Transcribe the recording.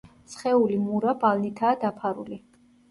სხეული მურა ბალნითაა დაფარული.